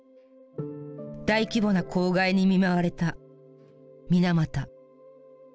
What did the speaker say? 大規模な公害に見舞われた水俣。